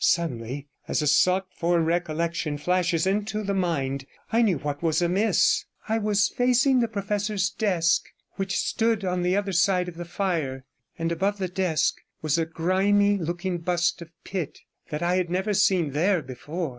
Suddenly, as a sought for recollection flashes into the mind, I knew what was amiss. I was facing the professor's desk, which stood on the other side of the fire, and above the desk was a grimy looking bust of Pitt, that I had never seen there before.